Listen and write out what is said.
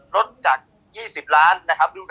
ลดจาก๒๐ล้านนะครับ